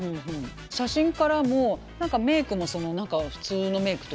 写真からも何かメークも普通のメークというかねだし